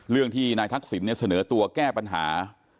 เรื่องที่นายทักษิณเสนอตัวแก้ปัญหา